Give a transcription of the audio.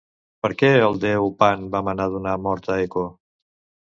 Per què el déu Pan va manar donar mort a Eco?